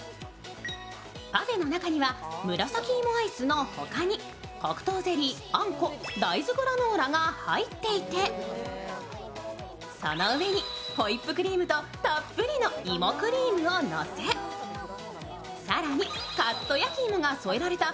パフェの中には紫芋アイスの他に、黒糖ゼリーあんこ、大豆グラノーラが入っていて、その上にホイップクリームとたっぷりの芋クリームをのせ更にカット焼き芋が添えられた